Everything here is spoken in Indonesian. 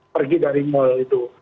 pergi dari mall itu